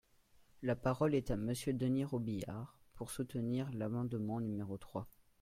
La parole est à Monsieur Denys Robiliard, pour soutenir l’amendement numéro trois.